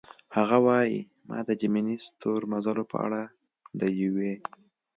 هغه وايي: "ما د جیمیني ستورمزلو په اړه د یوې.